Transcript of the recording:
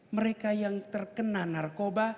mereka yang terkena narkoba harus dijauhkan